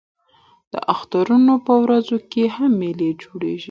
د اخترونو په ورځو کښي هم مېلې جوړېږي.